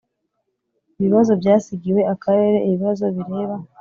ibibazo byasigiwe akarere ibibazo bireba